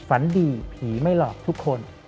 ฝันดีผีไม่หลอกทุกคน